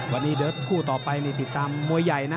วันนี้เดี๋ยวคู่ต่อไปนี่ติดตามมวยใหญ่นะ